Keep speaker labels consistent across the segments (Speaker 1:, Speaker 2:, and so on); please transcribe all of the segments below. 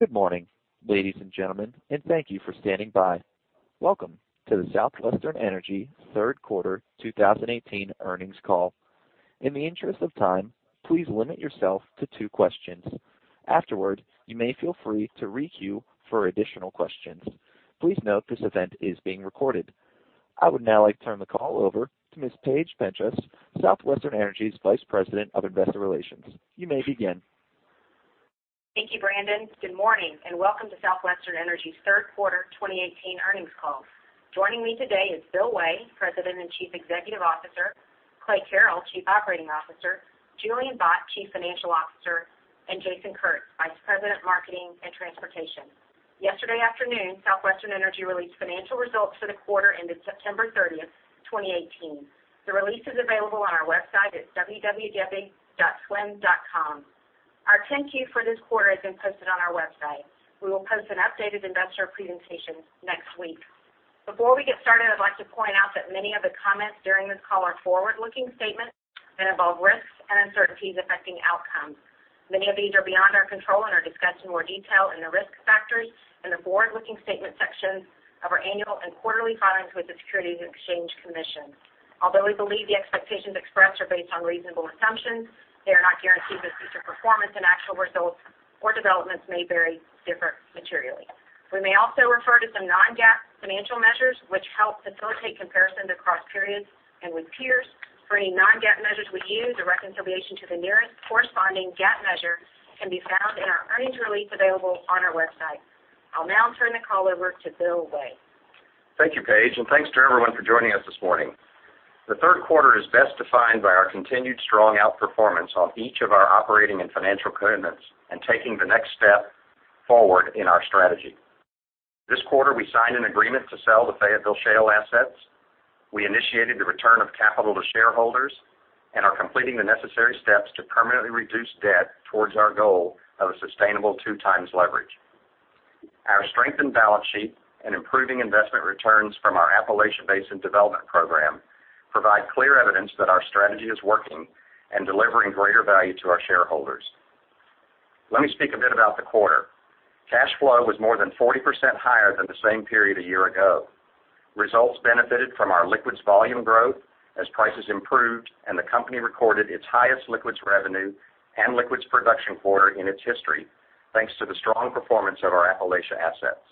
Speaker 1: Good morning, ladies and gentlemen. Thank you for standing by. Welcome to the Southwestern Energy third quarter 2018 earnings call. In the interest of time, please limit yourself to two questions. Afterward, you may feel free to re-queue for additional questions. Please note this event is being recorded. I would now like to turn the call over to Ms. Paige Penchas, Southwestern Energy's Vice President of Investor Relations. You may begin.
Speaker 2: Thank you, Brandon. Good morning. Welcome to Southwestern Energy third quarter 2018 earnings call. Joining me today is Bill Way, President and Chief Executive Officer, Clay Carrell, Chief Operating Officer, Julian Bott, Chief Financial Officer, and Jason Kurtz, Vice President, Marketing and Transportation. Yesterday afternoon, Southwestern Energy released financial results for the quarter ended September 30th, 2018. The release is available on our website at www.swn.com. Our 10-Q for this quarter has been posted on our website. We will post an updated investor presentation next week. Before we get started, I'd like to point out that many of the comments during this call are forward-looking statements that involve risks and uncertainties affecting outcomes. Many of these are beyond our control and are discussed in more detail in the risk factors in the forward-looking statements section of our annual and quarterly filings with the Securities and Exchange Commission. We believe the expectations expressed are based on reasonable assumptions, they are not guarantees that future performance and actual results or developments may vary different materially. We may also refer to some non-GAAP financial measures, which help facilitate comparisons across periods and with peers. For any non-GAAP measures we use, a reconciliation to the nearest corresponding GAAP measure can be found in our earnings release available on our website. I'll now turn the call over to Bill Way.
Speaker 3: Thank you, Paige. Thanks to everyone for joining us this morning. The third quarter is best defined by our continued strong outperformance on each of our operating and financial commitments and taking the next step forward in our strategy. This quarter, we signed an agreement to sell the Fayetteville Shale assets. We initiated the return of capital to shareholders and are completing the necessary steps to permanently reduce debt towards our goal of a sustainable two times leverage. Our strengthened balance sheet and improving investment returns from our Appalachian Basin development program provide clear evidence that our strategy is working and delivering greater value to our shareholders. Let me speak a bit about the quarter. Cash flow was more than 40% higher than the same period a year ago. Results benefited from our liquids volume growth as prices improved and the company recorded its highest liquids revenue and liquids production quarter in its history, thanks to the strong performance of our Appalachia assets.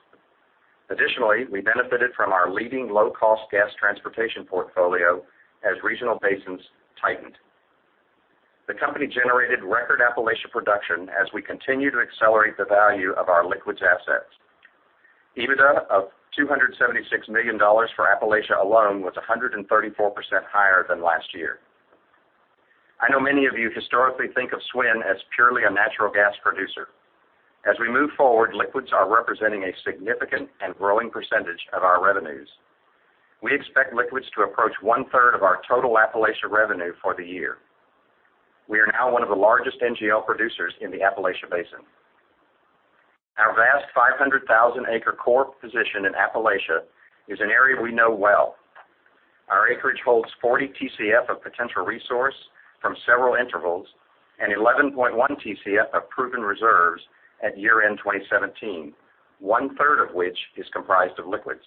Speaker 3: Additionally, we benefited from our leading low-cost gas transportation portfolio as regional basins tightened. The company generated record Appalachia production as we continue to accelerate the value of our liquids assets. EBITDA of $276 million for Appalachia alone was 134% higher than last year. I know many of you historically think of SWN as purely a natural gas producer. As we move forward, liquids are representing a significant and growing percentage of our revenues. We expect liquids to approach one-third of our total Appalachia revenue for the year. We are now one of the largest NGL producers in the Appalachia Basin. Our vast 500,000 acre core position in Appalachia is an area we know well. Our acreage holds 40 TCF of potential resource from several intervals and 11.1 TCF of proven reserves at year-end 2017, one-third of which is comprised of liquids.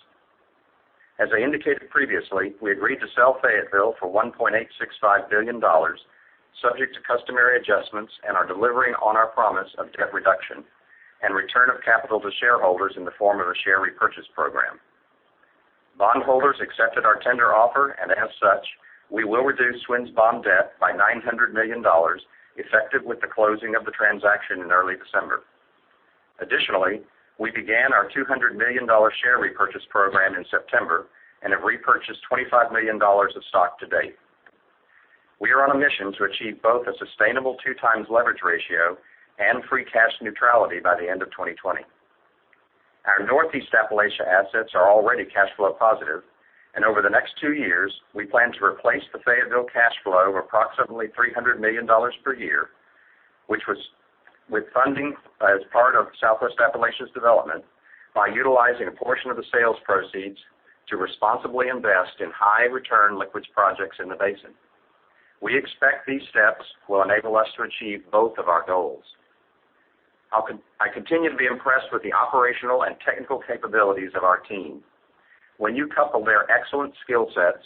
Speaker 3: As I indicated previously, we agreed to sell Fayetteville for $1.865 billion, subject to customary adjustments, and are delivering on our promise of debt reduction and return of capital to shareholders in the form of a share repurchase program. Bondholders accepted our tender offer, and as such, we will reduce SWN's bond debt by $900 million, effective with the closing of the transaction in early December. Additionally, we began our $200 million share repurchase program in September and have repurchased $25 million of stock to date. We are on a mission to achieve both a sustainable two times leverage ratio and free cash neutrality by the end of 2020. Our Northeast Appalachia assets are already cash flow positive, and over the next two years, we plan to replace the Fayetteville cash flow of approximately $300 million per year, with funding as part of Southwest Appalachia's development by utilizing a portion of the sales proceeds to responsibly invest in high-return liquids projects in the basin. We expect these steps will enable us to achieve both of our goals. I continue to be impressed with the operational and technical capabilities of our team. When you couple their excellent skill sets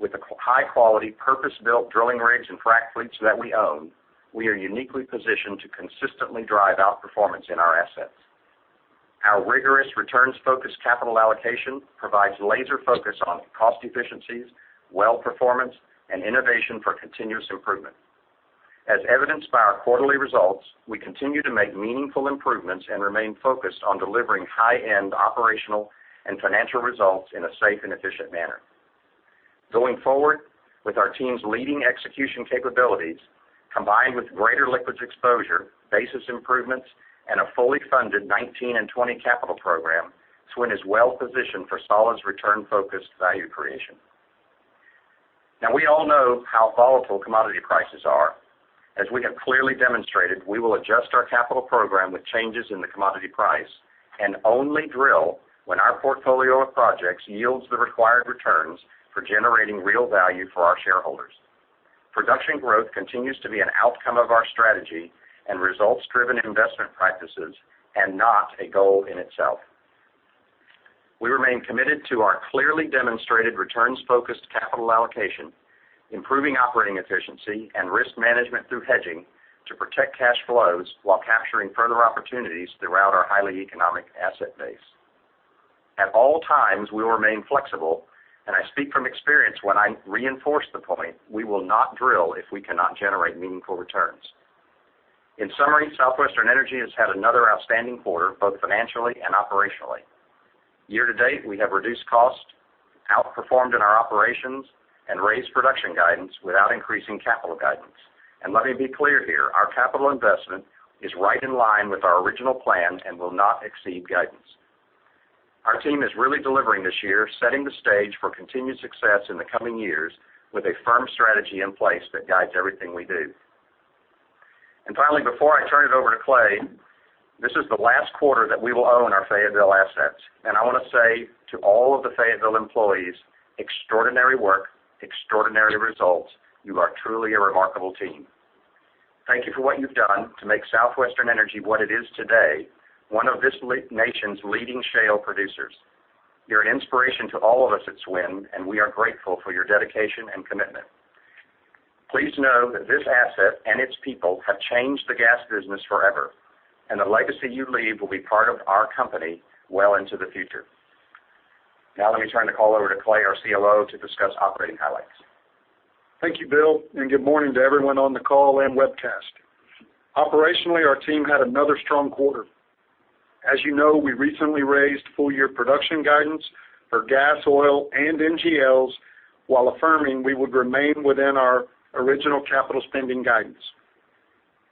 Speaker 3: with the high-quality, purpose-built drilling rigs and frac fleets that we own, we are uniquely positioned to consistently drive outperformance in our assets. Our rigorous returns-focused capital allocation provides laser focus on cost efficiencies, well performance, and innovation for continuous improvement. As evidenced by our quarterly results, we continue to make meaningful improvements and remain focused on delivering high-end operational and financial results in a safe and efficient manner. Going forward, with our team's leading execution capabilities, combined with greater liquids exposure, basis improvements, and a fully funded 2019 and 2020 capital program, SWN is well-positioned for solid return-focused value creation. Now, we all know how volatile commodity prices are. As we have clearly demonstrated, we will adjust our capital program with changes in the commodity price and only drill when our portfolio of projects yields the required returns for generating real value for our shareholders. Production growth continues to be an outcome of our strategy and results-driven investment practices and not a goal in itself. We remain committed to our clearly demonstrated returns-focused capital allocation, improving operating efficiency and risk management through hedging to protect cash flows while capturing further opportunities throughout our highly economic asset base. At all times, we will remain flexible, I speak from experience when I reinforce the point, we will not drill if we cannot generate meaningful returns. In summary, Southwestern Energy has had another outstanding quarter, both financially and operationally. Year-to-date, we have reduced costs, outperformed in our operations, and raised production guidance without increasing capital guidance. Let me be clear here, our capital investment is right in line with our original plan and will not exceed guidance. Our team is really delivering this year, setting the stage for continued success in the coming years with a firm strategy in place that guides everything we do. Finally, before I turn it over to Clay, this is the last quarter that we will own our Fayetteville assets. I want to say to all of the Fayetteville employees, extraordinary work, extraordinary results. You are truly a remarkable team. Thank you for what you've done to make Southwestern Energy what it is today, one of this nation's leading shale producers. You're an inspiration to all of us at SWN, and we are grateful for your dedication and commitment. Please know that this asset and its people have changed the gas business forever, and the legacy you leave will be part of our company well into the future. Now, let me turn the call over to Clay, our COO, to discuss operating highlights.
Speaker 4: Thank you, Bill, and good morning to everyone on the call and webcast. Operationally, our team had another strong quarter. As you know, we recently raised full-year production guidance for gas, oil, and NGLs while affirming we would remain within our original capital spending guidance.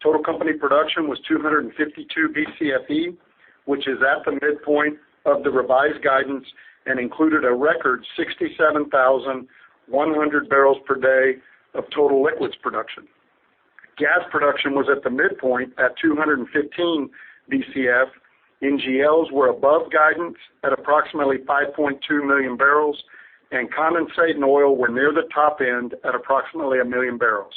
Speaker 4: Total company production was 252 BCFE, which is at the midpoint of the revised guidance and included a record 67,100 barrels per day of total liquids production. Gas production was at the midpoint at 215 BCF, NGLs were above guidance at approximately 5.2 million barrels, and condensate and oil were near the top end at approximately 1 million barrels.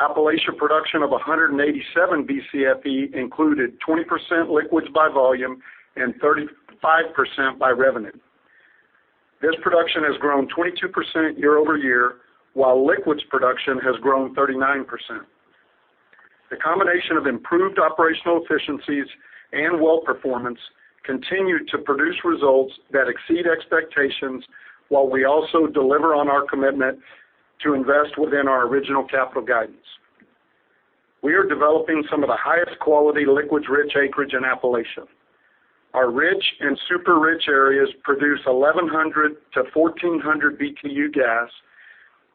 Speaker 4: Appalachia production of 187 BCFE included 20% liquids by volume and 35% by revenue. This production has grown 22% year-over-year, while liquids production has grown 39%. The combination of improved operational efficiencies and well performance continued to produce results that exceed expectations while we also deliver on our commitment to invest within our original capital guidance. We are developing some of the highest quality liquids-rich acreage in Appalachia. Our rich and super-rich areas produce 1,100-1,400 BTU gas,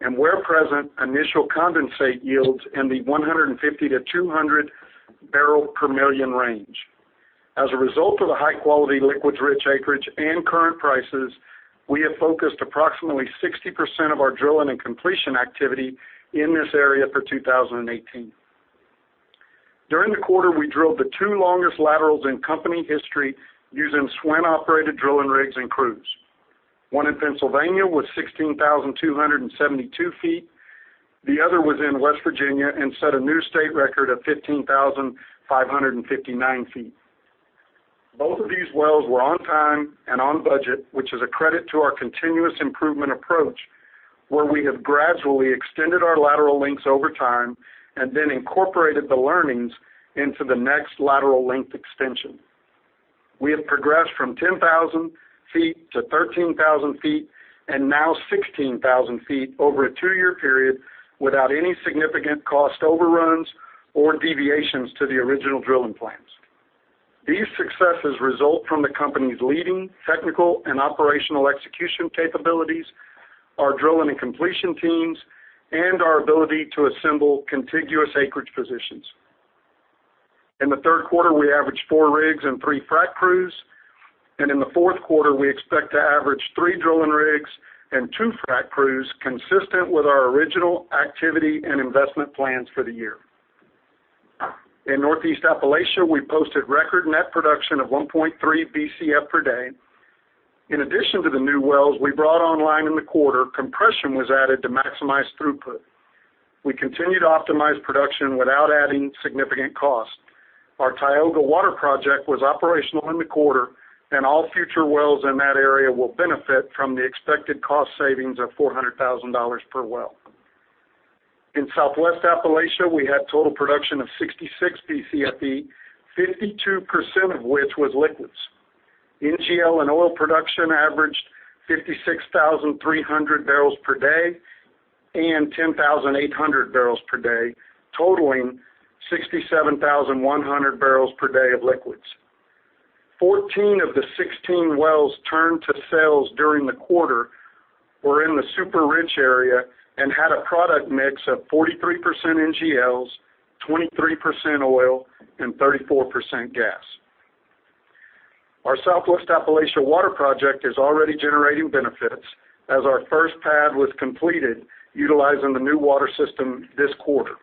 Speaker 4: and where present, initial condensate yields in the 150-200 barrel per million range. As a result of the high-quality liquids-rich acreage and current prices, we have focused approximately 60% of our drilling and completion activity in this area for 2018. During the quarter, we drilled the two longest laterals in company history using SWN-operated drilling rigs and crews. One in Pennsylvania was 16,272 feet. The other was in West Virginia and set a new state record of 15,559 feet. Both of these wells were on time and on budget, which is a credit to our continuous improvement approach, where we have gradually extended our lateral lengths over time and then incorporated the learnings into the next lateral length extension. We have progressed from 10,000 feet to 13,000 feet and now 16,000 feet over a two-year period without any significant cost overruns or deviations to the original drilling plans. These successes result from the company's leading technical and operational execution capabilities, our drilling and completion teams, and our ability to assemble contiguous acreage positions. In the third quarter, we averaged four rigs and three frac crews, and in the fourth quarter, we expect to average three drilling rigs and two frac crews consistent with our original activity and investment plans for the year. In Northeast Appalachia, we posted record net production of 1.3 BCF per day. In addition to the new wells we brought online in the quarter, compression was added to maximize throughput. We continued to optimize production without adding significant cost. Our Tioga water project was operational in the quarter, and all future wells in that area will benefit from the expected cost savings of $400,000 per well. In Southwest Appalachia, we had total production of 66 BCFE, 52% of which was liquids. NGL and oil production averaged 56,300 barrels per day and 10,800 barrels per day, totaling 67,100 barrels per day of liquids. 14 of the 16 wells turned to sales during the quarter were in the super-rich area and had a product mix of 43% NGLs, 23% oil, and 34% gas. Our Southwest Appalachia water project is already generating benefits as our first pad was completed utilizing the new water system this quarter.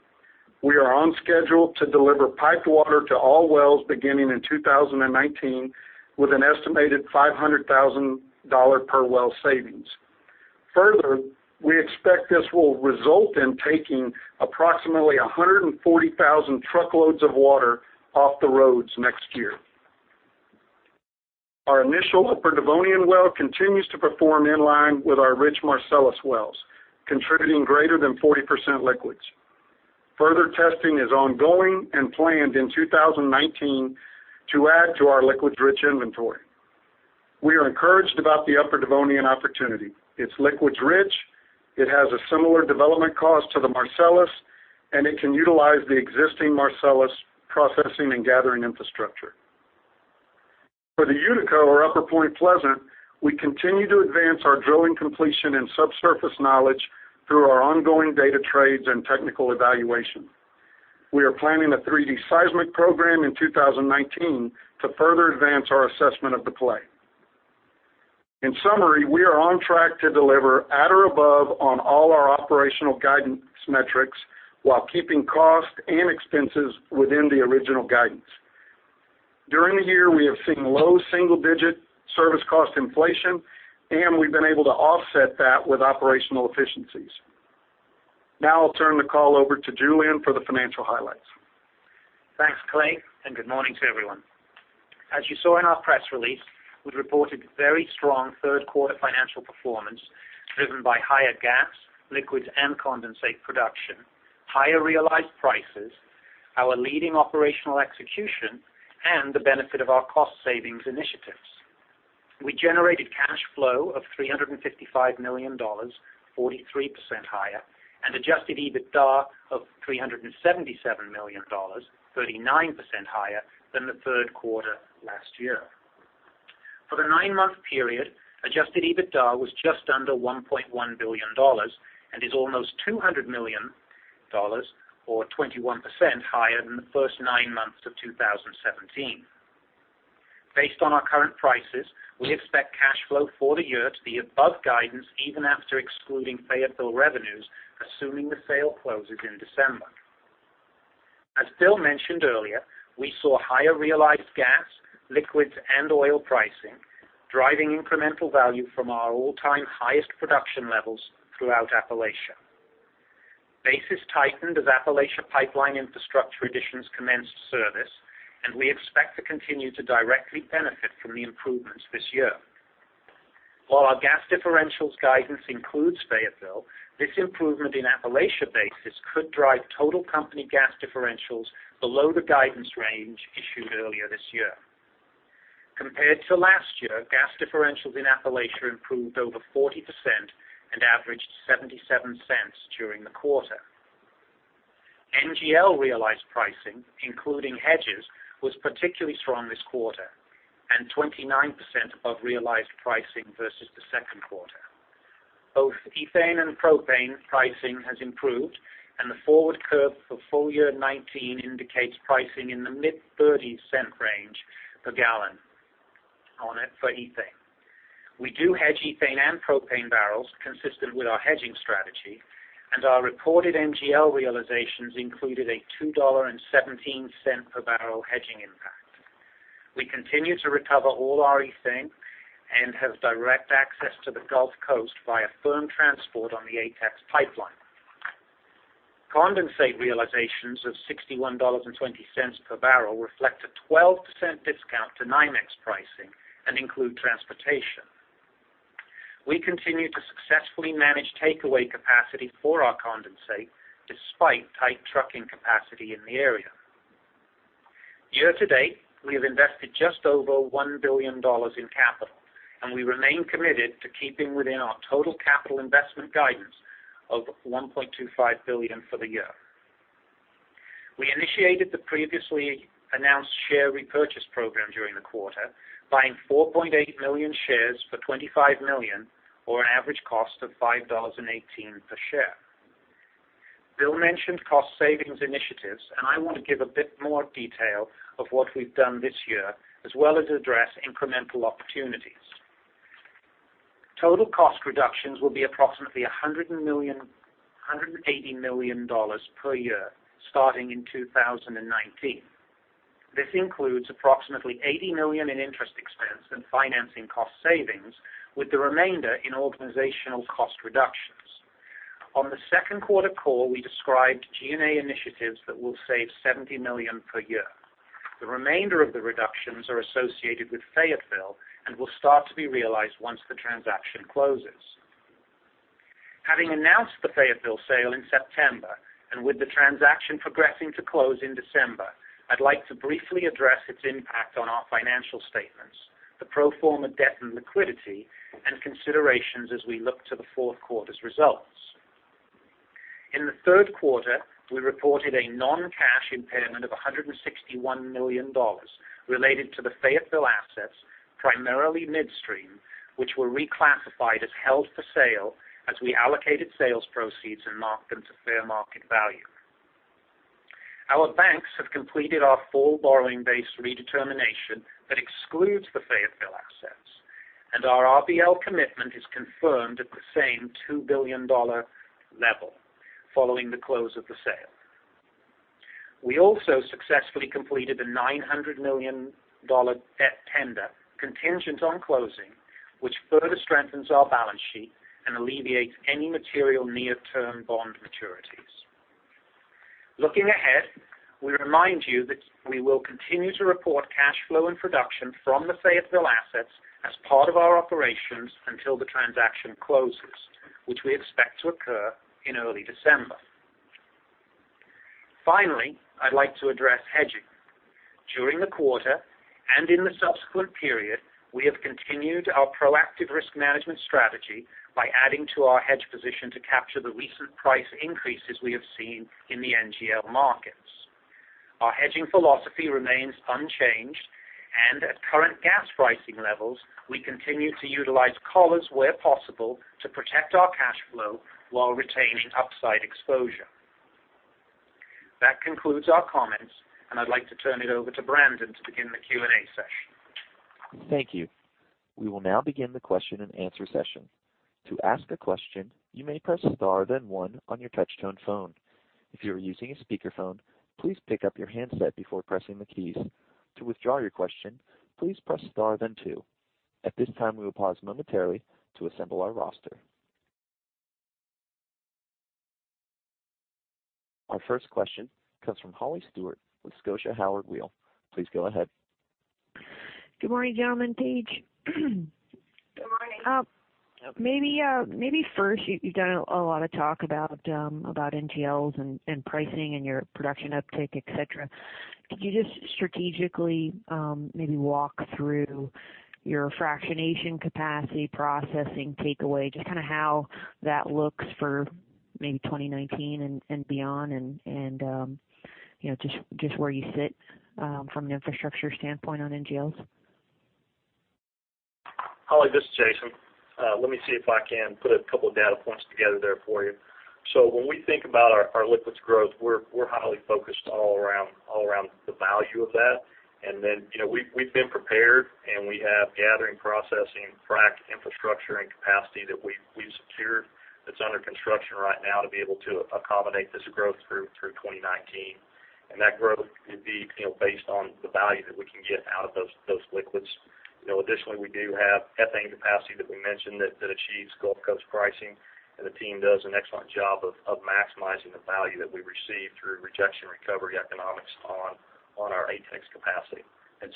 Speaker 4: We are on schedule to deliver piped water to all wells beginning in 2019, with an estimated $500,000 per well savings. Further, we expect this will result in taking approximately 140,000 truckloads of water off the roads next year. Our initial Upper Devonian well continues to perform in line with our rich Marcellus wells, contributing greater than 40% liquids. Further testing is ongoing and planned in 2019 to add to our liquids-rich inventory. We are encouraged about the Upper Devonian opportunity. It's liquids rich, it has a similar development cost to the Marcellus, and it can utilize the existing Marcellus processing and gathering infrastructure. For the Utica or Upper Point Pleasant, we continue to advance our drilling completion and subsurface knowledge through our ongoing data trades and technical evaluation. We are planning a 3D seismic program in 2019 to further advance our assessment of the play. In summary, we are on track to deliver at or above on all our operational guidance metrics while keeping costs and expenses within the original guidance. During the year, we have seen low single-digit service cost inflation, and we've been able to offset that with operational efficiencies. Now I'll turn the call over to Julian for the financial highlights.
Speaker 5: Thanks, Clay, and good morning to everyone. As you saw in our press release, we reported very strong third quarter financial performance driven by higher gas, liquids, and condensate production, higher realized prices, our leading operational execution, and the benefit of our cost savings initiatives. We generated cash flow of $355 million, 43% higher, and adjusted EBITDA of $377 million, 39% higher than the third quarter last year. For the nine-month period, adjusted EBITDA was just under $1.1 billion and is almost $200 million, or 21%, higher than the first nine months of 2017. Based on our current prices, we expect cash flow for the year to be above guidance even after excluding Fayetteville revenues, assuming the sale closes in December. As Bill mentioned earlier, we saw higher realized gas, liquids, and oil pricing, driving incremental value from our all-time highest production levels throughout Appalachia. Bases tightened as Appalachia pipeline infrastructure additions commenced service, we expect to continue to directly benefit from the improvements this year. While our gas differentials guidance includes Fayetteville, this improvement in Appalachia bases could drive total company gas differentials below the guidance range issued earlier this year. Compared to last year, gas differentials in Appalachia improved over 40% and averaged $0.77 during the quarter. NGL realized pricing, including hedges, was particularly strong this quarter and 29% above realized pricing versus the second quarter. Both ethane and propane pricing has improved, the forward curve for full year 2019 indicates pricing in the mid $0.30 range per gallon, on it for ethane. We do hedge ethane and propane barrels consistent with our hedging strategy, our reported NGL realizations included a $2.17 per barrel hedging impact. We continue to recover all our ethane and have direct access to the Gulf Coast via firm transport on the ATEX pipeline. Condensate realizations of $61.20 per barrel reflect a 12% discount to NYMEX pricing and include transportation. We continue to successfully manage takeaway capacity for our condensate despite tight trucking capacity in the area. Year-to-date, we have invested just over $1 billion in capital, we remain committed to keeping within our total capital investment guidance of $1.25 billion for the year. We initiated the previously announced share repurchase program during the quarter, buying 4.8 million shares for $25 million, or an average cost of $5.18 per share. Bill mentioned cost savings initiatives, I want to give a bit more detail of what we've done this year, as well as address incremental opportunities. Total cost reductions will be approximately $180 million per year starting in 2019. This includes approximately $80 million in interest expense and financing cost savings, with the remainder in organizational cost reductions. On the second quarter call, we described G&A initiatives that will save $70 million per year. The remainder of the reductions are associated with Fayetteville and will start to be realized once the transaction closes. Having announced the Fayetteville sale in September, with the transaction progressing to close in December, I'd like to briefly address its impact on our financial statements, the pro forma debt and liquidity, and considerations as we look to the fourth quarter's results. In the third quarter, we reported a non-cash impairment of $161 million related to the Fayetteville assets, primarily midstream, which were reclassified as held for sale as we allocated sales proceeds and marked them to fair market value. Our banks have completed our full borrowing base redetermination that excludes the Fayetteville assets. Our RBL commitment is confirmed at the same $2 billion level following the close of the sale. We also successfully completed a $900 million debt tender contingent on closing, which further strengthens our balance sheet and alleviates any material near-term bond maturities. Looking ahead, we remind you that we will continue to report cash flow and production from the Fayetteville assets as part of our operations until the transaction closes, which we expect to occur in early December. Finally, I'd like to address hedging. During the quarter and in the subsequent period, we have continued our proactive risk management strategy by adding to our hedge position to capture the recent price increases we have seen in the NGL markets. Our hedging philosophy remains unchanged. At current gas pricing levels, we continue to utilize collars where possible to protect our cash flow while retaining upside exposure. That concludes our comments, and I'd like to turn it over to Brandon to begin the Q&A session.
Speaker 1: Thank you. We will now begin the question and answer session. To ask a question, you may press star then one on your touch-tone phone. If you are using a speakerphone, please pick up your handset before pressing the keys. To withdraw your question, please press star then two. At this time, we will pause momentarily to assemble our roster. Our first question comes from Holly Stewart with Scotia Howard Weil. Please go ahead.
Speaker 6: Good morning, gentlemen, Paige.
Speaker 5: Good morning.
Speaker 6: Maybe first, you've done a lot of talk about NGLs and pricing and your production uptake, et cetera. Could you just strategically maybe walk through your fractionation capacity processing takeaway, just how that looks for maybe 2019 and beyond, and just where you sit from an infrastructure standpoint on NGLs?
Speaker 7: Holly, this is Jason. Let me see if I can put a couple of data points together there for you. When we think about our liquids growth, we're highly focused all around the value of that. We've been prepared, and we have gathering, processing, frac infrastructure, and capacity that we've secured that's under construction right now to be able to accommodate this growth through 2019. That growth would be based on the value that we can get out of those liquids. Additionally, we do have ethane capacity that we mentioned that achieves Gulf Coast pricing, and the team does an excellent job of maximizing the value that we receive through rejection recovery economics on our ATEX capacity.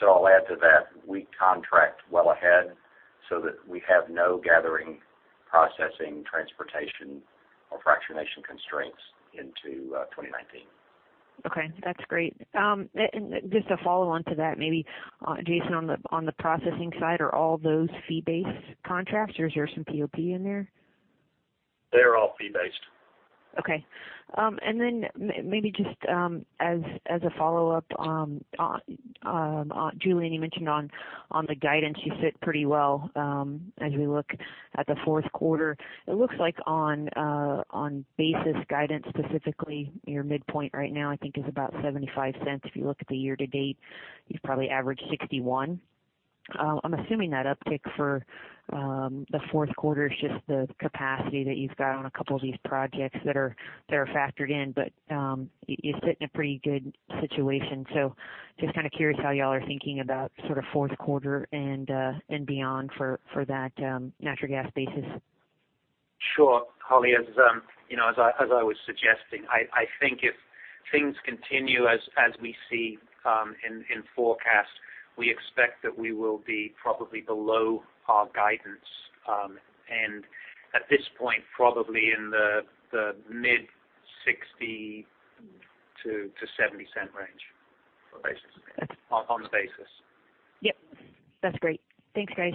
Speaker 3: I'll add to that, we contract well ahead so that we have no gathering, processing, transportation, or fractionation constraints into 2019.
Speaker 6: Okay, that's great. Just to follow on to that, maybe Jason, on the processing side, are all those fee-based contracts, or is there some POP in there?
Speaker 7: They're all fee-based.
Speaker 6: Okay. Maybe just as a follow-up, Julian, you mentioned on the guidance you sit pretty well as we look at the fourth quarter. It looks like on basis guidance, specifically your midpoint right now, I think is about $0.75. If you look at the year to date, you've probably averaged $0.61. I'm assuming that uptick for the fourth quarter is just the capacity that you've got on a couple of these projects that are factored in, but you're sitting in a pretty good situation. Just curious how you all are thinking about sort of fourth quarter and beyond for that natural gas basis.
Speaker 5: Sure. Holly, as I was suggesting, I think if things continue as we see in forecast, we expect that we will be probably below our guidance. At this point, probably in the mid $0.60-$0.70 range.
Speaker 6: Okay.
Speaker 5: On basis.
Speaker 6: Yep. That's great. Thanks, guys.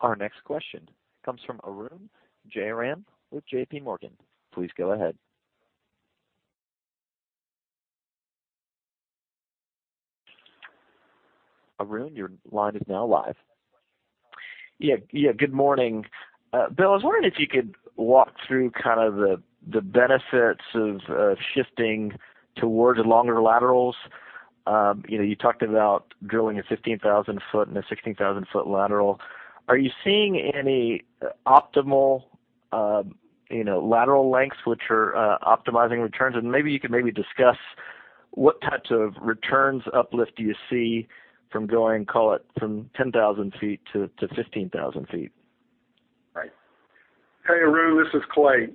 Speaker 1: Our next question comes from Arun Jayaram with JPMorgan. Please go ahead. Arun, your line is now live.
Speaker 8: Yeah. Good morning. Bill, I was wondering if you could walk through the benefits of shifting towards longer laterals. You talked about drilling a 15,000-foot and a 16,000-foot lateral. Are you seeing any optimal lateral lengths which are optimizing returns? Maybe you could maybe discuss what types of returns uplift do you see from going, call it from 10,000 feet to 15,000 feet?
Speaker 4: Right. Hey, Arun, this is Clay.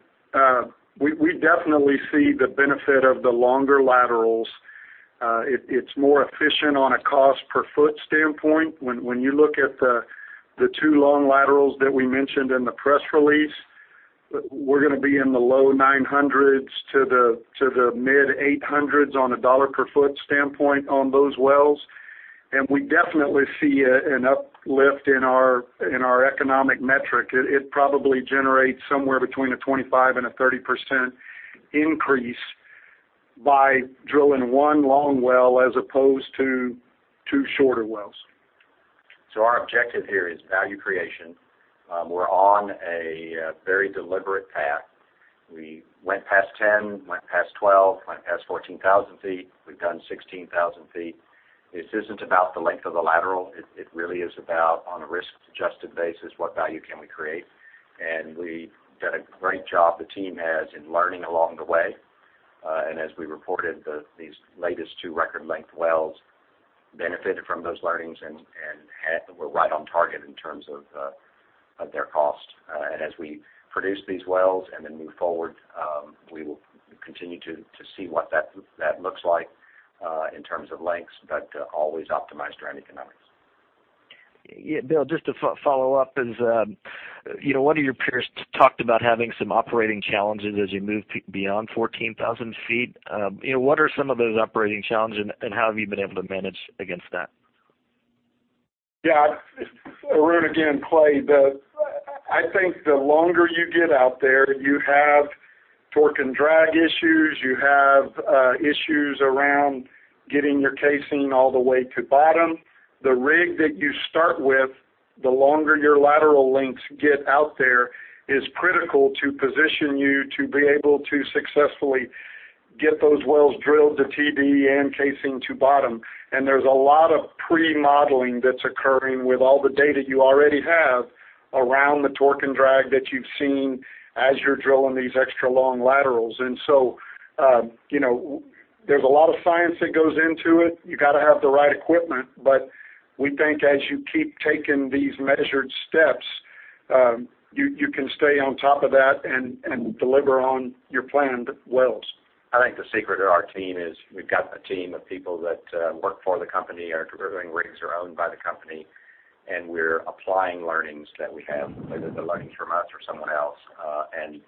Speaker 4: We definitely see the benefit of the longer laterals. It is more efficient on a cost per foot standpoint. When you look at the two long laterals that we mentioned in the press release, we are going to be in the low $900s to the mid $800s on a dollar per foot standpoint on those wells. We definitely see an uplift in our economic metric. It probably generates somewhere between a 25% and a 30% increase by drilling one long well as opposed to two shorter wells.
Speaker 3: Our objective here is value creation. We are on a very deliberate path. We went past 10, went past 12, went past 14,000 feet. We have done 16,000 feet. This is not about the length of the lateral. It really is about, on a risk-adjusted basis, what value can we create? We have done a great job, the team has, in learning along the way. As we reported, these latest two record-length wells benefited from those learnings, and we are right on target in terms of their cost. As we produce these wells and then move forward, we will continue to see what that looks like, in terms of lengths, but always optimized around economics.
Speaker 8: Bill, just to follow up, one of your peers talked about having some operating challenges as you move beyond 14,000 feet. What are some of those operating challenges, and how have you been able to manage against that?
Speaker 4: Arun again, Clay. I think the longer you get out there, you have torque and drag issues. You have issues around getting your casing all the way to bottom. The rig that you start with, the longer your lateral lengths get out there, is critical to position you to be able to successfully get those wells drilled to TD and casing to bottom. There is a lot of pre-modeling that is occurring with all the data you already have around the torque and drag that you have seen as you are drilling these extra-long laterals. There is a lot of science that goes into it. You got to have the right equipment. We think as you keep taking these measured steps, you can stay on top of that and deliver on your planned wells.
Speaker 3: I think the secret of our team is we've got a team of people that work for the company. Our drilling rigs are owned by the company, and we're applying learnings that we have, whether they're learnings from us or someone else, and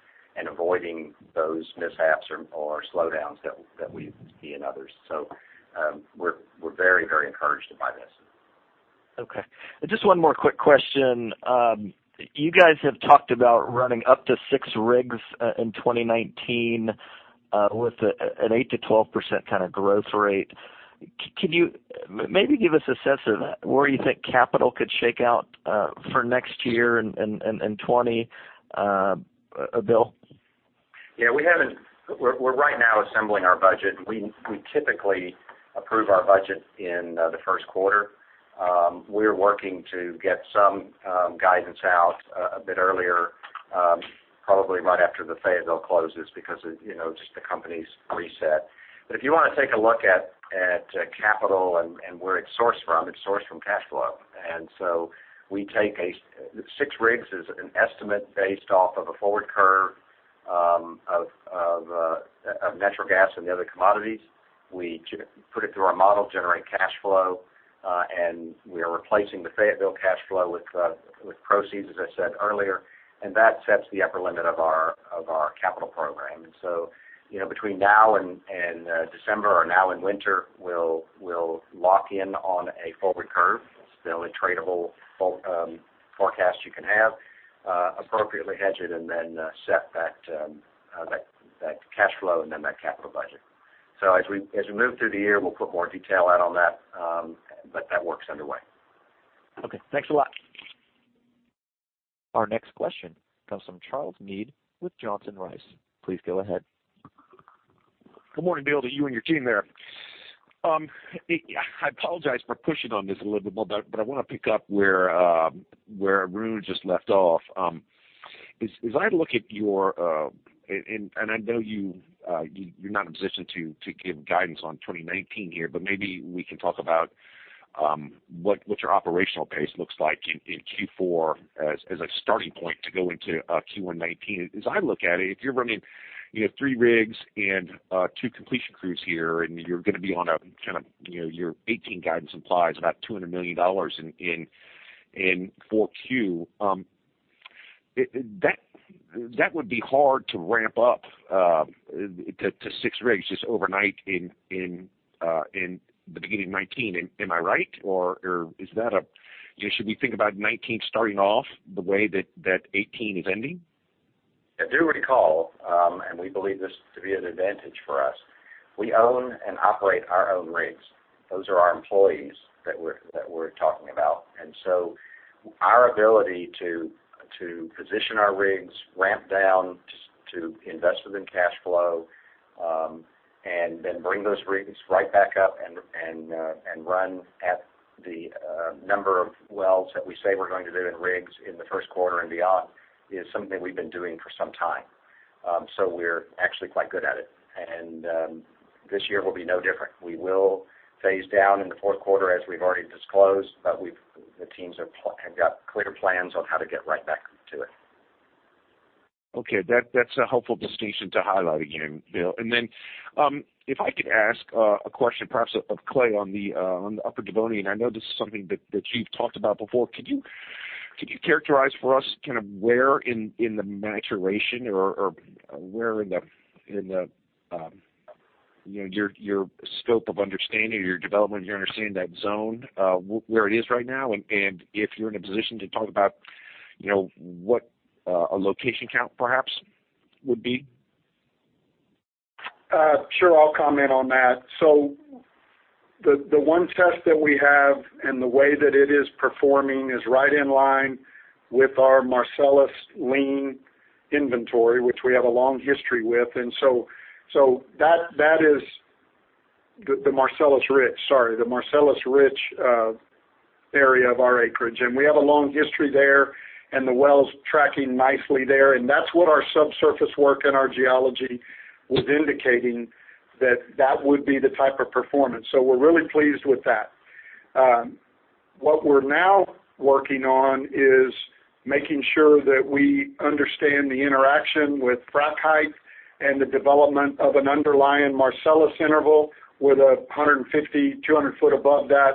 Speaker 3: avoiding those mishaps or slowdowns that we see in others. We're very encouraged by this.
Speaker 8: Okay. Just one more quick question. You guys have talked about running up to six rigs in 2019, with an 8%-12% kind of growth rate. Can you maybe give us a sense of where you think capital could shake out for next year and 2020, Bill?
Speaker 3: Yeah. We're right now assembling our budget. We typically approve our budget in the first quarter. We're working to get some guidance out a bit earlier, probably right after the Fayetteville closes, because of just the company's reset. If you want to take a look at capital and where it's sourced from, it's sourced from cash flow. Six rigs is an estimate based off of a forward curve of natural gas and the other commodities. We put it through our model, generate cash flow, and we are replacing the Fayetteville cash flow with proceeds, as I said earlier, and that sets the upper limit of our capital program. Between now and December or now and winter, we'll lock in on a forward curve. It's the only tradable forecast you can have. Appropriately hedge it and then set that cash flow and then that capital budget. As we move through the year, we'll put more detail out on that, but that work's underway.
Speaker 8: Okay, thanks a lot.
Speaker 1: Our next question comes from Charles Meade with Johnson Rice. Please go ahead.
Speaker 9: Good morning, Bill, to you and your team there. I apologize for pushing on this a little bit more, but I want to pick up where Arun just left off. I know you're not in a position to give guidance on 2019 here, but maybe we can talk about what your operational pace looks like in Q4 as a starting point to go into Q1 2019. As I look at it, if you're running three rigs and two completion crews here, and you're going to be on your 2018 guidance implies about $200 million in 4Q. That would be hard to ramp up to six rigs just overnight in the beginning of 2019. Am I right, or should we think about 2019 starting off the way that 2018 is ending?
Speaker 3: Do recall, and we believe this to be an advantage for us, we own and operate our own rigs. Those are our employees that we're talking about. Our ability to position our rigs, ramp down to invest within cash flow, and then bring those rigs right back up and run at the number of wells that we say we're going to do in rigs in the first quarter and beyond, is something we've been doing for some time. We're actually quite good at it, and this year will be no different. We will phase down in the fourth quarter as we've already disclosed, the teams have got clear plans on how to get right back to it.
Speaker 9: Okay. That's a helpful distinction to highlight again, Bill. If I could ask a question perhaps of Clay on the Upper Devonian. I know this is something that you've talked about before. Could you characterize for us where in the maturation or where in your scope of understanding or your development, you understand that zone, where it is right now, and if you're in a position to talk about what a location count perhaps would be?
Speaker 4: Sure, I'll comment on that. The one test that we have and the way that it is performing is right in line with our Marcellus lean inventory, which we have a long history with. That is the Marcellus Rich, sorry, the Marcellus Rich area of our acreage. We have a long history there and the well's tracking nicely there. That's what our subsurface work and our geology was indicating, that that would be the type of performance. We're really pleased with that. What we're now working on is making sure that we understand the interaction with frac height and the development of an underlying Marcellus interval with 150, 200 foot above that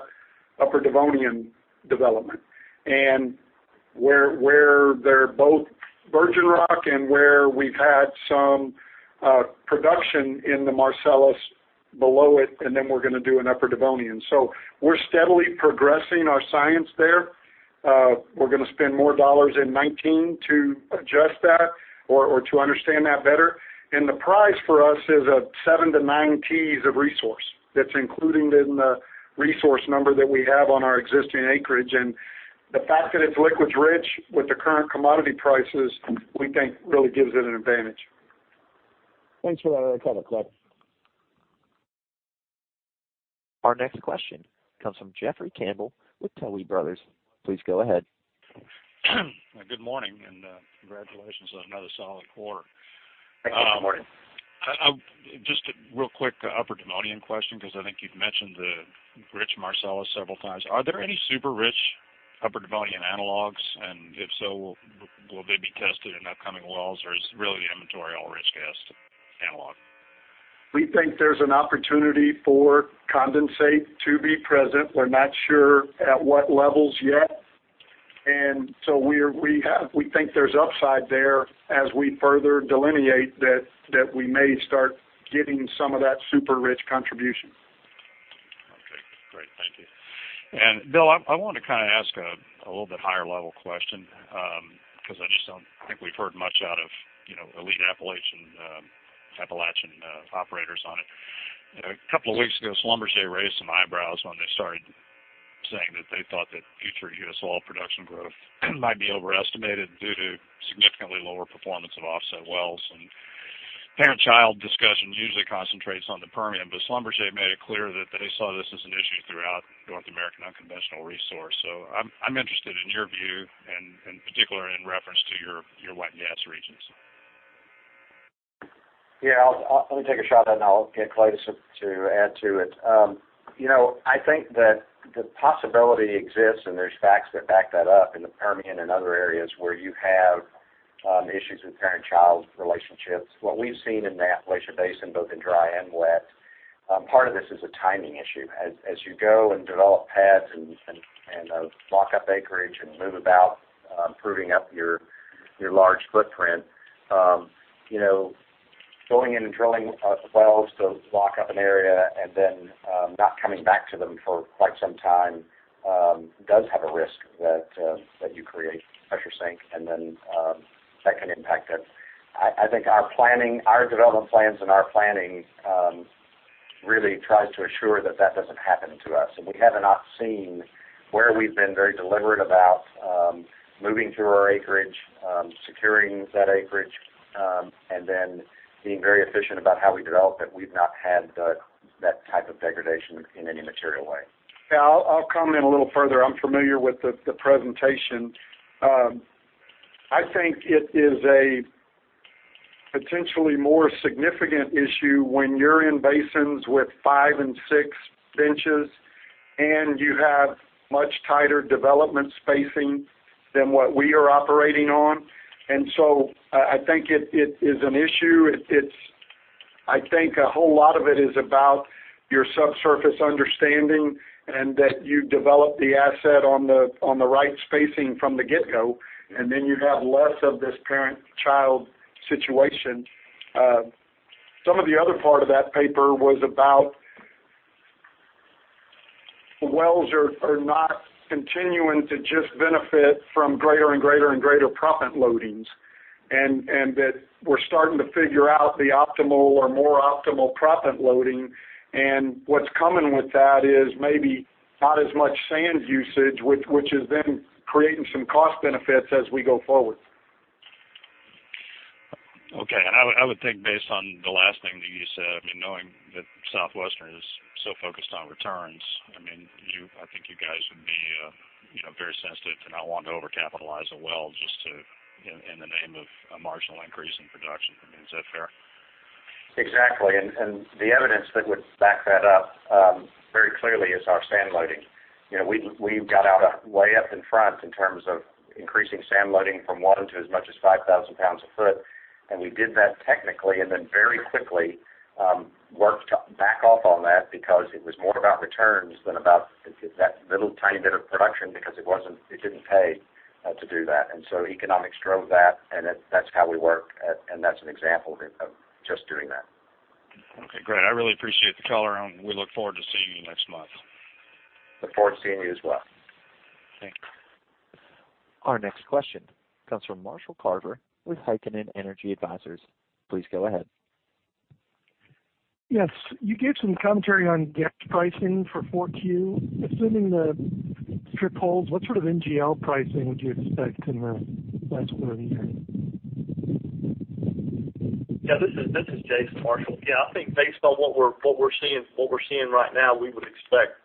Speaker 4: Upper Devonian development, and where they're both virgin rock and where we've had some production in the Marcellus below it, and then we're going to do an Upper Devonian. We're steadily progressing our science there. We're going to spend more dollars in 2019 to adjust that or to understand that better. The prize for us is a seven to nine Ts of resource. That's included in the resource number that we have on our existing acreage. The fact that it's liquids rich with the current commodity prices, we think really gives it an advantage.
Speaker 3: Thanks for that. I'll cover, Clay.
Speaker 1: Our next question comes from Jeffrey Campbell with Tuohy Brothers. Please go ahead.
Speaker 10: Good morning, congratulations on another solid quarter.
Speaker 3: Thank you. Good morning.
Speaker 10: Just a real quick Upper Devonian question, because I think you've mentioned the Marcellus Rich several times. Are there any super Rich Upper Devonian analogs? If so, will they be tested in upcoming wells, or is really the inventory all risk-based analog?
Speaker 4: We think there's an opportunity for condensate to be present. We're not sure at what levels yet. We think there's upside there as we further delineate that we may start getting some of that super rich contribution.
Speaker 10: Okay, great. Thank you. Bill, I wanted to ask a little bit higher level question, because I just don't think we've heard much out of Elite Appalachian operators on it. A couple of weeks ago, Schlumberger raised some eyebrows when they started saying that they thought that future U.S. oil production growth might be overestimated due to significantly lower performance of offset wells. Parent-child discussions usually concentrates on the Permian, but Schlumberger made it clear that they saw this as an issue throughout North American unconventional resource. I'm interested in your view and in particular, in reference to your wet gas regions.
Speaker 3: Yeah. Let me take a shot at it, I'll get Clay to add to it. I think that the possibility exists, there's facts that back that up in the Permian and other areas where you have issues with parent-child relationships. What we've seen in the Appalachian Basin, both in dry and wet, part of this is a timing issue. As you go and develop pads and lock up acreage and move about proving up your large footprint. Going in and drilling wells to lock up an area not coming back to them for quite some time does have a risk that you create pressure sink, that can impact it. I think our development plans and our planning really tries to assure that doesn't happen to us. We have not seen where we've been very deliberate about moving through our acreage, securing that acreage, being very efficient about how we develop it. We've not had that type of degradation in any material way.
Speaker 4: I'll comment a little further. I'm familiar with the presentation. I think it is a potentially more significant issue when you're in basins with five and six benches, and you have much tighter development spacing than what we are operating on. I think it is an issue. I think a whole lot of it is about your subsurface understanding and that you develop the asset on the right spacing from the get-go, and then you have less of this parent-child situation. Some of the other part of that paper was about wells are not continuing to just benefit from greater and greater and greater proppant loadings, and that we're starting to figure out the optimal or more optimal proppant loading. What's coming with that is maybe not as much sand usage, which is then creating some cost benefits as we go forward.
Speaker 10: Okay. I would think based on the last thing that you said, knowing that Southwestern is so focused on returns, I think you guys would be very sensitive to not wanting to overcapitalize a well just in the name of a marginal increase in production. Is that fair?
Speaker 3: Exactly. The evidence that would back that up very clearly is our sand loading. We got out way up in front in terms of increasing sand loading from one to as much as 5,000 pounds a foot, we did that technically, very quickly worked to back off on that because it was more about returns than about that little tiny bit of production because it didn't pay to do that. Economics drove that, and that's how we work. That's an example of just doing that.
Speaker 10: Okay, great. I really appreciate the call, we look forward to seeing you next month.
Speaker 3: Look forward to seeing you as well.
Speaker 10: Thanks.
Speaker 1: Our next question comes from Marshall Carver with Heikkinen Energy Advisors. Please go ahead.
Speaker 11: Yes. You gave some commentary on gas pricing for 4Q. Assuming the strip holds, what sort of NGL pricing would you expect in the last quarter of the year?
Speaker 7: Yeah, this is Jason, Marshall. Yeah, I think based on what we're seeing right now, we would expect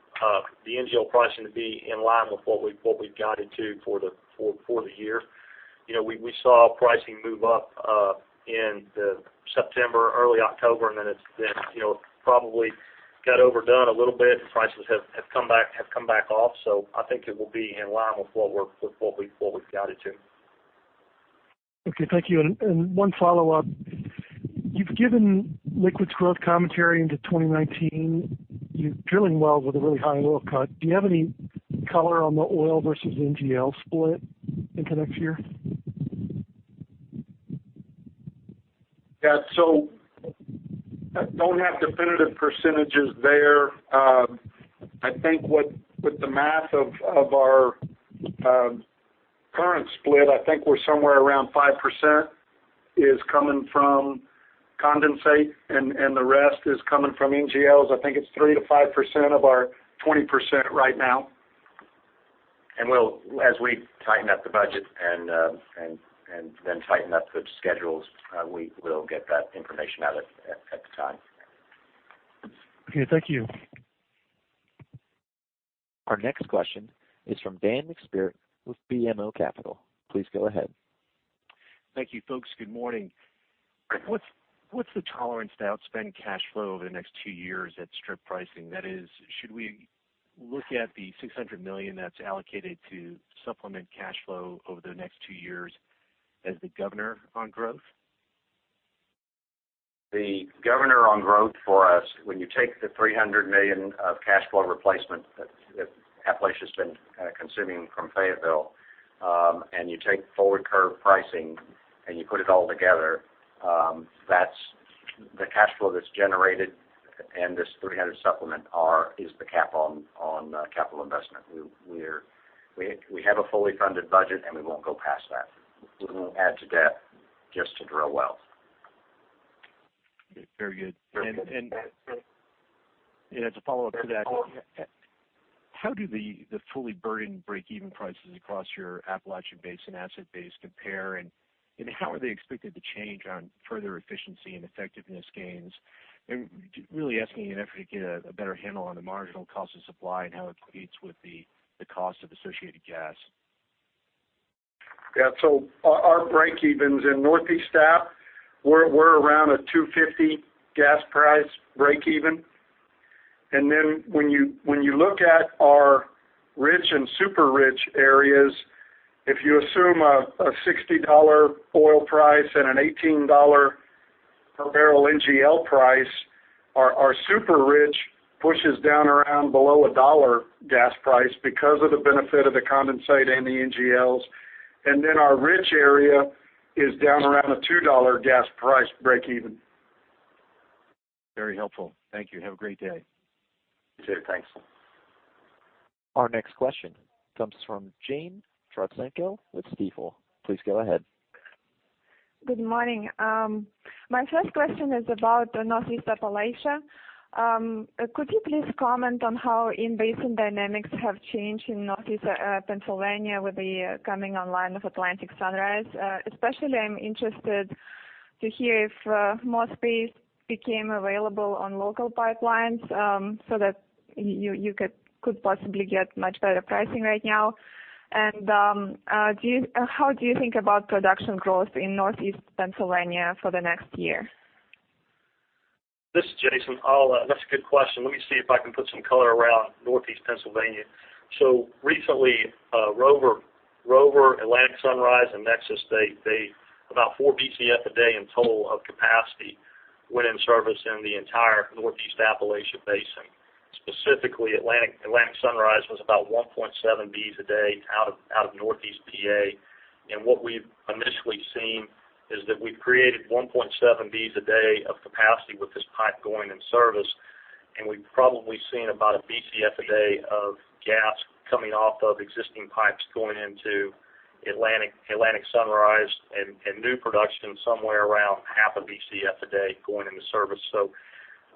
Speaker 7: the NGL pricing to be in line with what we've guided to for the year. We saw pricing move up in September, early October, and then it probably got overdone a little bit, and prices have come back off. I think it will be in line with what we've guided to.
Speaker 11: Okay. Thank you. One follow-up. You've given liquids growth commentary into 2019. You're drilling wells with a really high oil cut. Do you have any color on the oil versus NGL split into next year?
Speaker 4: Yeah. I don't have definitive percentages there. I think with the math of our current split, I think we're somewhere around 5% is coming from condensate and the rest is coming from NGLs. I think it's 3%-5% of our 20% right now.
Speaker 3: As we tighten up the budget and tighten up the schedules, we'll get that information out at the time.
Speaker 11: Okay, thank you.
Speaker 1: Our next question is from Dan McSpirit with BMO Capital. Please go ahead.
Speaker 12: Thank you, folks. Good morning. What's the tolerance to outspend cash flow over the next two years at strip pricing? That is, should we look at the $600 million that's allocated to supplement cash flow over the next two years as the governor on growth?
Speaker 3: The governor on growth for us, when you take the $300 million of cash flow replacement that Appalachia's been consuming from Fayetteville, you take forward curve pricing and you put it all together, this $300 supplement is the cap on capital investment. We have a fully funded budget, and we won't go past that. We won't add to debt just to drill wells.
Speaker 12: Very good. As a follow-up to that, how do the fully burdened break-even prices across your Appalachian Basin asset base compare, and how are they expected to change on further efficiency and effectiveness gains? Really asking in an effort to get a better handle on the marginal cost of supply and how it competes with the cost of associated gas.
Speaker 4: Our break-evens in Northeast App, we're around a $2.50 gas price break even. When you look at our rich and super rich areas, if you assume a $60 oil price and an $18 per barrel NGL price, our super rich pushes down around below $1 gas price because of the benefit of the condensate and the NGLs. Our rich area is down around a $2 gas price break even.
Speaker 12: Very helpful. Thank you. Have a great day.
Speaker 3: You too. Thanks.
Speaker 1: Our next question comes from Jane Trotsenko with Stifel. Please go ahead.
Speaker 13: Good morning. My first question is about Northeast Appalachia. Could you please comment on how in-basin dynamics have changed in Northeast Pennsylvania with the coming online of Atlantic Sunrise? Especially, I'm interested to hear if more space became available on local pipelines, so that you could possibly get much better pricing right now. How do you think about production growth in Northeast Pennsylvania for the next year?
Speaker 7: This is Jason Albaugh. That's a good question. Let me see if I can put some color around Northeast Pennsylvania. Recently, Rover, Atlantic Sunrise, and Nexus, about 4 Bcf a day in total of capacity went in service in the entire Northeast Appalachia basin. Specifically, Atlantic Sunrise was about 1.7 BCF a day out of Northeast PA. What we've initially seen is that we've created 1.7 BCF a day of capacity with this pipe going in service, and we've probably seen about 1 Bcf a day of gas coming off of existing pipes going into Atlantic Sunrise and new production somewhere around half a Bcf a day going into service.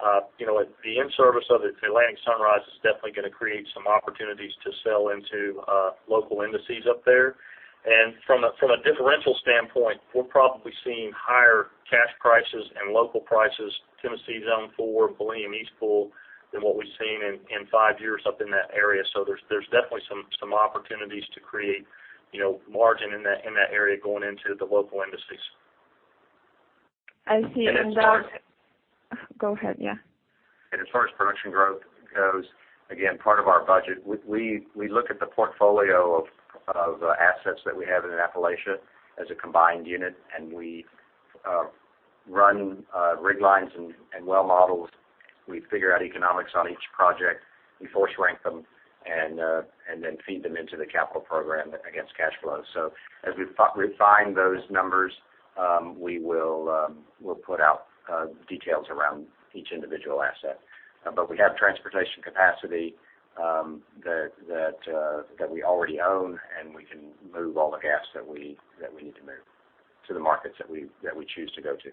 Speaker 7: The in-service of Atlantic Sunrise is definitely going to create some opportunities to sell into local indices up there. From a differential standpoint, we're probably seeing higher cash prices and local prices, Tennessee Zone 4, Leidy East Pool, than what we've seen in 5 years up in that area. There's definitely some opportunities to create margin in that area going into the local indices.
Speaker 13: I see.
Speaker 3: As far as
Speaker 13: Go ahead, yeah.
Speaker 3: As far as production growth goes, again, part of our budget, we look at the portfolio of assets that we have in Appalachia as a combined unit. We run rig lines and well models. We figure out economics on each project. We force rank them. Then feed them into the capital program against cash flow. As we refine those numbers, we will put out details around each individual asset. We have transportation capacity that we already own, and we can move all the gas that we need to move to the markets that we choose to go to.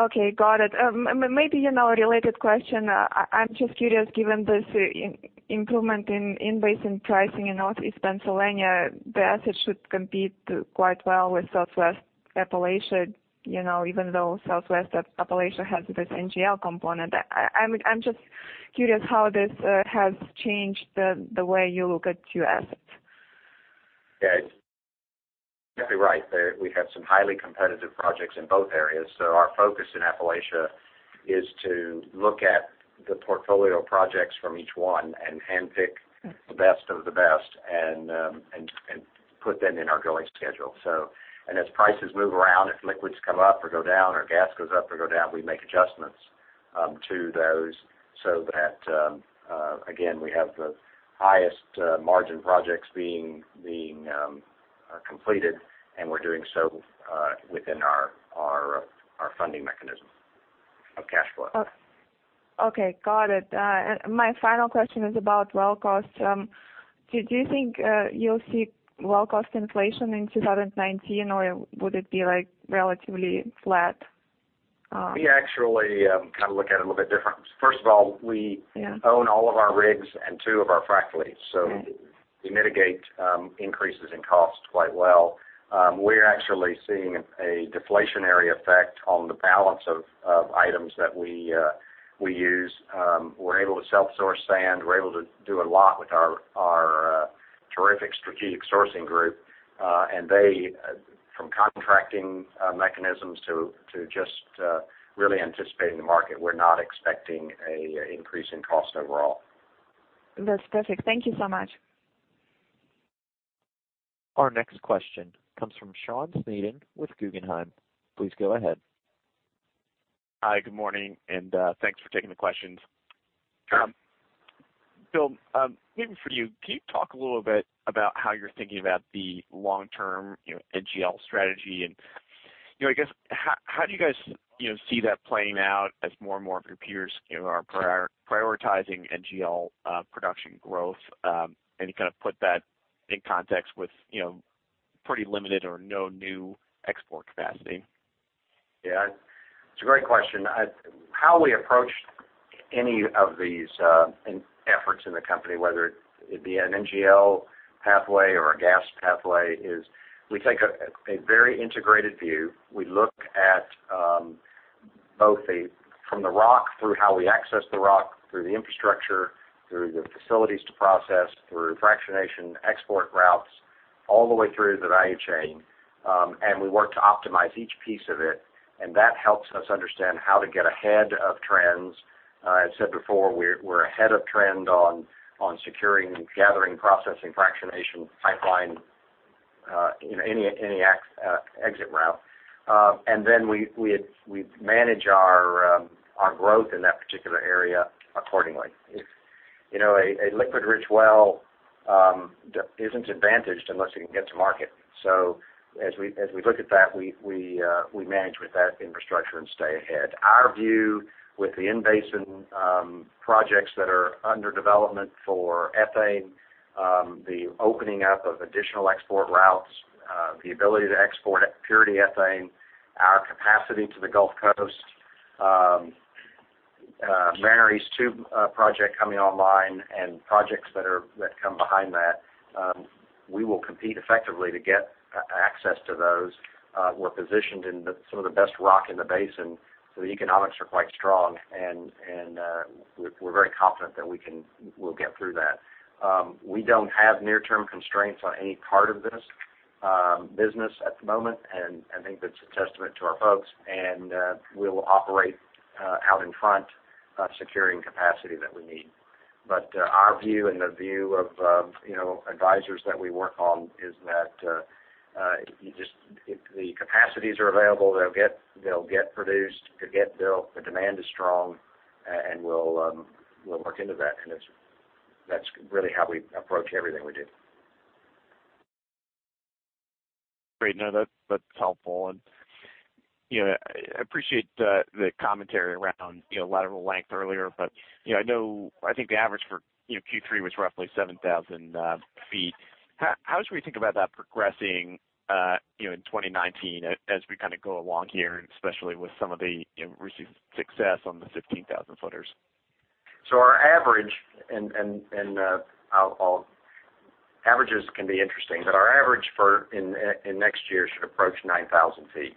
Speaker 13: Okay. Got it. Maybe a related question. I'm just curious, given this improvement in basin pricing in Northeast Pennsylvania, the assets should compete quite well with Southwest Appalachia, even though Southwest Appalachia has this NGL component. I'm just curious how this has changed the way you look at two assets.
Speaker 3: Yeah. You're right. We have some highly competitive projects in both areas. Our focus in Appalachia is to look at the portfolio of projects from each one and handpick the best of the best, and put them in our drilling schedule. As prices move around, if liquids come up or go down or gas goes up or go down, we make adjustments to those, so that, again, we have the highest margin projects being completed, and we're doing so within our funding mechanism of cash flow.
Speaker 13: Okay. Got it. My final question is about well costs. Do you think you'll see well cost inflation in 2019, or would it be relatively flat?
Speaker 3: We actually look at it a little bit different. First of all, we own all of our rigs and two of our frac fleets. We mitigate increases in cost quite well. We're actually seeing a deflationary effect on the balance of items that we use. We're able to self-source sand. We're able to do a lot with our terrific strategic sourcing group. From contracting mechanisms to just really anticipating the market, we're not expecting an increase in cost overall.
Speaker 13: That's perfect. Thank you so much.
Speaker 1: Our next question comes from Sean Sneeden with Guggenheim. Please go ahead.
Speaker 14: Hi, good morning, and thanks for taking the questions.
Speaker 3: Sure.
Speaker 14: Bill, maybe for you. Can you talk a little bit about how you're thinking about the long-term NGL strategy, and I guess, how do you guys see that playing out as more and more of your peers are prioritizing NGL production growth, and you put that in context with pretty limited or no new export capacity?
Speaker 3: Yeah. It's a great question. How we approach any of these efforts in the company, whether it be an NGL pathway or a gas pathway, is we take a very integrated view. We look at both from the rock through how we access the rock, through the infrastructure, through the facilities to process, through fractionation, export routes, all the way through the value chain. We work to optimize each piece of it, and that helps us understand how to get ahead of trends. I've said before, we're ahead of trend on securing, gathering, processing, fractionation, pipeline, any exit route. Then we manage our growth in that particular area accordingly. A liquid rich well isn't advantaged unless it can get to market. As we look at that, we manage with that infrastructure and stay ahead. Our view with the in-basin projects that are under development for ethane, the opening up of additional export routes, the ability to export purity ethane, our capacity to the Gulf Coast, Mariner East 2 project coming online and projects that come behind that, we will compete effectively to get access to those. We're positioned in some of the best rock in the basin, so the economics are quite strong, and we're very confident that we'll get through that. We don't have near-term constraints on any part of this business at the moment, and I think that's a testament to our folks, and we'll operate out in front securing capacity that we need. Our view and the view of advisors that we work on is that if the capacities are available, they'll get produced, they'll get built, the demand is strong, and we'll work into that. That's really how we approach everything we do.
Speaker 14: Great. No, that's helpful. I appreciate the commentary around lateral length earlier, I think the average for Q3 was roughly 7,000 feet. How should we think about that progressing in 2019 as we go along here, especially with some of the recent success on the 15,000 footers?
Speaker 3: Our average, averages can be interesting, our average in next year should approach 9,000 feet.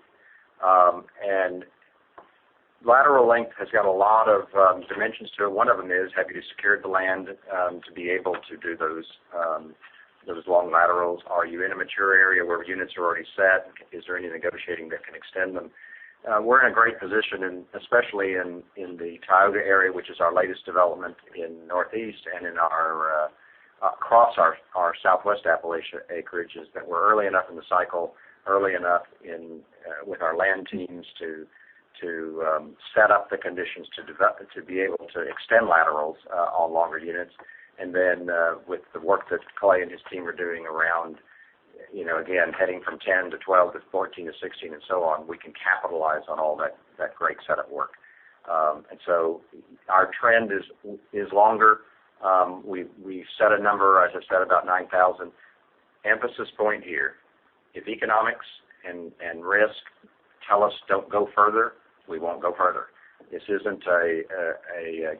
Speaker 3: Lateral length has got a lot of dimensions to it. One of them is, have you secured the land to be able to do those long laterals? Are you in a mature area where units are already set? Is there any negotiating that can extend them? We're in a great position, especially in the Tioga area, which is our latest development in Northeast and across our Southwest Appalachia acreages that we're early enough in the cycle, early enough with our land teams to set up the conditions to be able to extend laterals on longer units. With the work that Clay and his team are doing around, again, heading from 10 to 12 to 14 to 16 and so on, we can capitalize on all that great set of work. Our trend is longer. We've set a number, as I said, about 9,000. Emphasis point here, if economics and risk tell us don't go further, we won't go further. This isn't a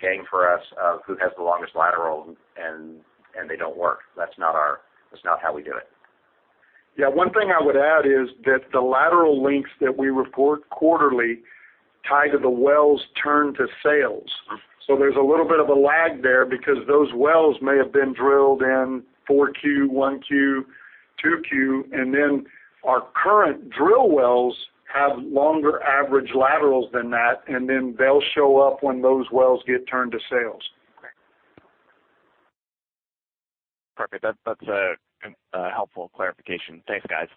Speaker 3: game for us of who has the longest lateral and they don't work. That's not how we do it.
Speaker 4: Yeah, one thing I would add is that the lateral lengths that we report quarterly tie to the wells turned to sales. There's a little bit of a lag there because those wells may have been drilled in 4Q, 1Q, 2Q, and then our current drill wells have longer average laterals than that, and then they'll show up when those wells get turned to sales.
Speaker 3: Correct.
Speaker 14: Perfect. That's a helpful clarification. Thanks, guys.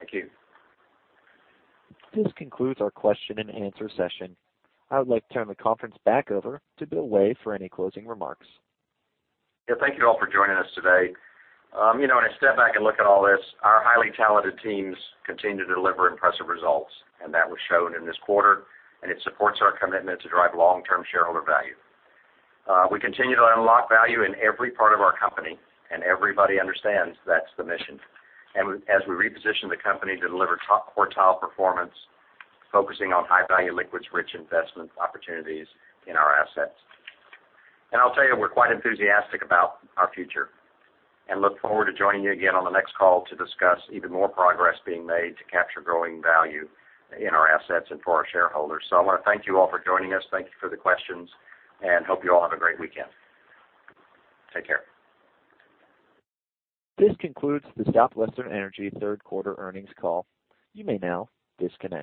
Speaker 3: Thank you.
Speaker 1: This concludes our question and answer session. I would like to turn the conference back over to Bill Way for any closing remarks.
Speaker 3: Yeah, thank you all for joining us today. When I step back and look at all this, our highly talented teams continue to deliver impressive results, and that was shown in this quarter, and it supports our commitment to drive long-term shareholder value. We continue to unlock value in every part of our company, and everybody understands that's the mission. As we reposition the company to deliver top quartile performance, focusing on high-value liquids-rich investment opportunities in our assets. I'll tell you, we're quite enthusiastic about our future and look forward to joining you again on the next call to discuss even more progress being made to capture growing value in our assets and for our shareholders. I want to thank you all for joining us. Thank you for the questions, and hope you all have a great weekend. Take care.
Speaker 1: This concludes the Southwestern Energy third quarter earnings call. You may now disconnect.